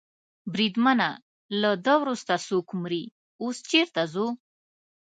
بریدمنه، له ده وروسته څوک مري؟ اوس چېرې ځو؟